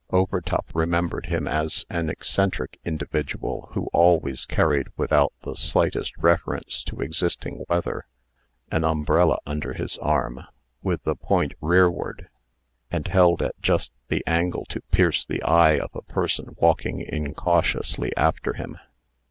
Overtop remembered him as an eccentric individual, who always carried, without the slightest reference to existing weather, an umbrella under his arm, with the point rearward, and held at just the angle to pierce the eye of a person walking incautiously after him.